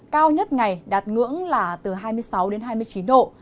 cao nhất ngày đạt ngưỡng là từ hai mươi sáu đến hai mươi chín độ